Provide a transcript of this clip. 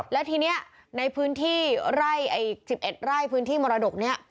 และทีนี้ในพื้นที่ไล่ไอ้๑๑ไล่พื้นที่มรดกเนี่ย